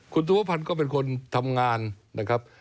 คุณธุวพันธ์ก็เป็นคนทำงานนะครับ